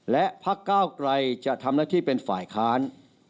และพักก้าวไกรจะทำหน้าที่เป็นฝ่ายค้าน